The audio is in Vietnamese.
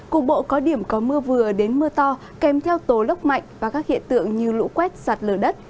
cục bộ có điểm có mưa vừa đến mưa to kèm theo tố lốc mạnh và các hiện tượng như lũ quét sạt lở đất